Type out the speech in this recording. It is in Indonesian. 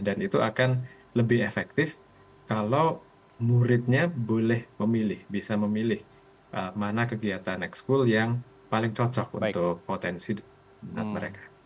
dan itu akan lebih efektif kalau muridnya boleh memilih bisa memilih mana kegiatan ekskul yang paling cocok untuk potensi mereka